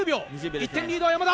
１点リードは山田。